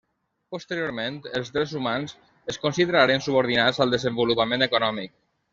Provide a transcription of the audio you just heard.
Posteriorment, els drets humans es consideraren subordinats al desenvolupament econòmic.